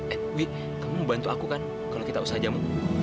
eh wi kamu bantu aku kan kalau kita usaha jamu